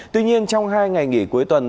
tuy nhiên trong hai ngày nghỉ cuối tuần